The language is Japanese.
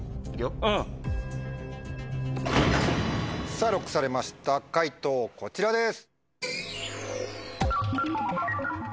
さぁＬＯＣＫされました解答こちらです。